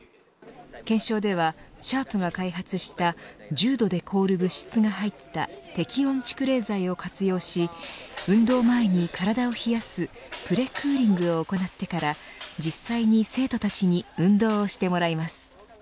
検証ではシャープが開発した１０度で凍る物質が入った適温蓄冷材を活用し運動前に体を冷やすプレクーリングを行ってから実際に生徒たちに運動をしてもらいます。